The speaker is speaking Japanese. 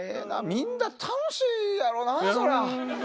みんな楽しいやろなそりゃ。